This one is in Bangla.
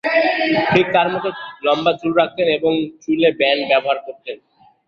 ঠিক তাঁর মতো লম্বা চুল রাখতেন এবং চুলে ব্যান্ড ব্যবহার করতেন।